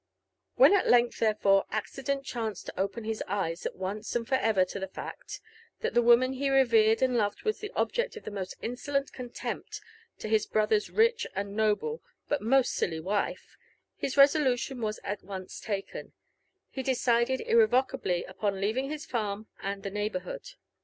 When at length, therefore, accident chanced to open his eyes at once and for ever to the fact, that the woman he reverenced and loved was Ihe object of the most insolent contempt to his brother's rich and inoble, but most silly wife, his resolution was at once taken ; he de cided irrevocably upon leaving his farm and the neighbourhood.